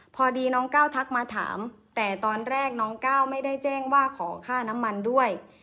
พอดีน้องก้าวทักมาถามแต่ตอนแรกน้องก้าวไม่ได้แจ้งว่าขอค่าน้ำมันด้วย